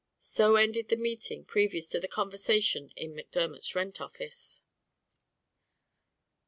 So ended the meeting previous to the conversation in Macdermot's rent office. CHAPTER V.